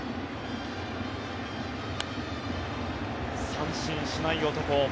三振しない男。